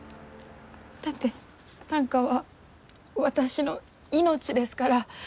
だって短歌は私の命ですから。